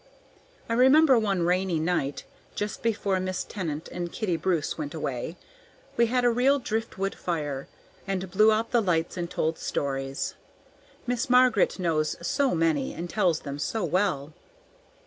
I remember one rainy night, just before Miss Tennant and Kitty Bruce went away; we had a real drift wood fire, and blew out the lights and told stories. Miss Margaret knows so many and tells them so well.